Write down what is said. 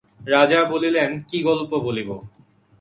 রাজা বলিলেন, কী গল্প বলিব।